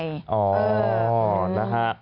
อ๋อนะฮะ